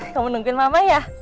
kamu nungguin mama ya